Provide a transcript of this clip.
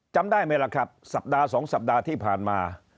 จำได้ไหมล่ะครับสัปดาห์๒สัปดาห์ที่ผ่านมา